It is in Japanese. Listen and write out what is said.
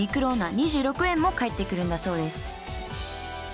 ２６円も返ってくるんだそうです